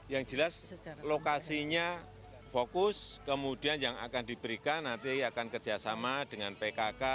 yang jelas lokasinya fokus kemudian yang akan diberikan nanti akan kerjasama dengan pkk